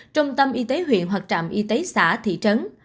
trung tâm y tế huyện hoặc trạm y tế xã thị trấn